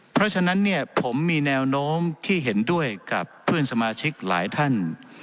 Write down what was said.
เพราะฉะนั้นเนี่ยผมมีแนวโน้มที่เห็นด้วยกับเพื่อนสมาชิกหลายท่าน